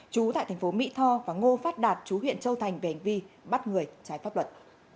chú tại thành phố mỹ tho và ngô phát đạt chú huyện châu thành về hành vi bắt người trái pháp luật